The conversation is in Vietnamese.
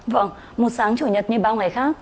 vâng một sáng chủ nhật như bao ngày khác